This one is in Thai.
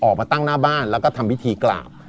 ออกมาตั้งหน้าบ้านแล้วก็ทำพิธีกราบ